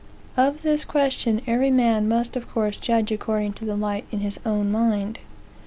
Of this question every man must of course judge according to the light in his own mind.